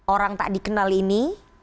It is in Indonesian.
orang tak dikenal ini